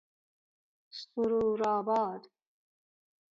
سرور ﺁباد